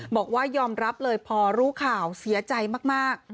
บอกว่ายอมรับเลยพอรู้ข่าวเสียใจมาก